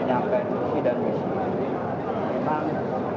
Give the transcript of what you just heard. jawa timur hampir semua